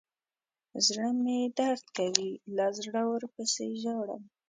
زړه مې درد کوي له زړه ورپسې ژاړم.